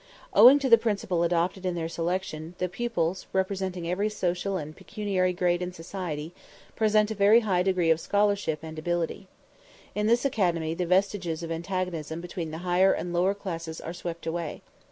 Owing to the principle adopted in their selection, the pupils, representing every social and pecuniary grade in society, present a very high degree of scholarship and ability. In this academy the vestiges of antagonism between the higher and lower classes are swept away.